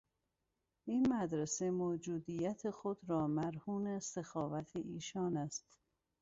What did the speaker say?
این مدرسه موجودیت خود را مرهون سخاوت ایشان است.